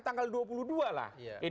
tanggal dua puluh dua lah